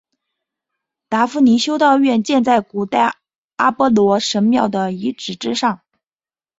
达夫尼修道院建在古代阿波罗神庙的遗址之上。